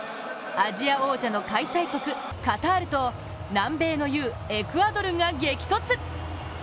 アジア王者の開催国・カタールと南米の雄・エクアドルが激突。